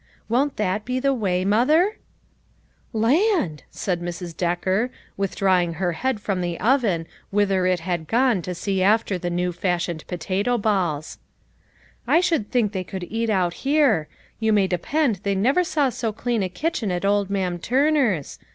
Won't that be the way, mother ?"" Land !" said Mrs. Decker, withdrawing her head from the oven, whither it had gone to see after the new fashioned potato balls, " I should think they could eat out here ; you may depend they never saw so clean a kitchen at old Ma'am Turner's.